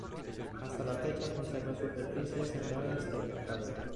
Hasta la fecha conserva superficies sembradas del agave.